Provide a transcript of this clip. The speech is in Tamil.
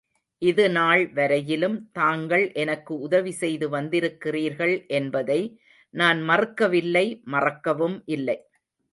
இது நாள் வரையிலும் தாங்கள் எனக்கு உதவி செய்து வந்திருக்கிறீர்கள் என்பதை நான் மறுக்கவில்லை மறக்கவும் இல்லை.